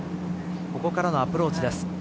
ここからのアプローチです。